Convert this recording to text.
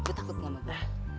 lu takut gak sama gue